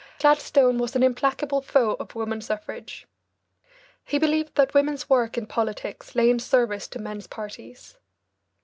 Gladstone was an implacable foe of woman suffrage. He believed that women's work and politics lay in service to men's parties.